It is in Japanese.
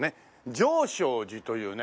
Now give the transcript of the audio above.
常性寺というね